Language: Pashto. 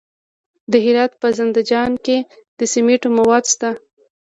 د هرات په زنده جان کې د سمنټو مواد شته.